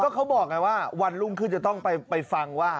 เขาบอกไงว่าวันรุ่งขึ้นจะต้องไปฟังว่า